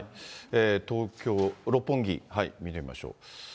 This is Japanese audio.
東京・六本木、見てみましょう。